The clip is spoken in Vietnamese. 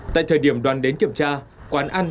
tại thời điểm đoàn đến kiểm tra quán ăn